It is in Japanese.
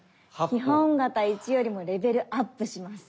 基本形１よりもレベルアップします。